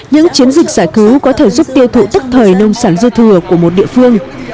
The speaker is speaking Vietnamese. những chiến dịch giải cứu có thể giúp tiêu thụ tức thời nông sản dư thừa của một địa phương